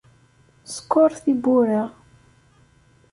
Skeṛ tiwwura.